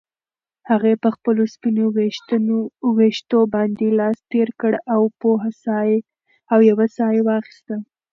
هغې په خپلو سپینو ویښتو باندې لاس تېر کړ او یوه ساه یې واخیسته.